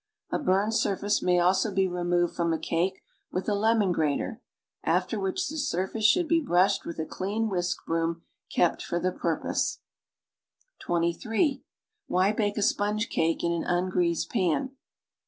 A burned surface may also be removed from a cake with a lemon grater, after which the surface shoidd be brushed with a clean whisk broom kept for the jMirpose. (23) AYh\' ijake a sponge cake in an ungreased pan?